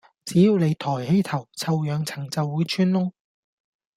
只要你抬起頭，臭氧層就會穿窿